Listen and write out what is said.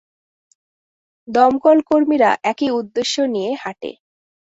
দমকলকর্মীরা একই উদ্দেশ্য নিয়ে হাঁটে।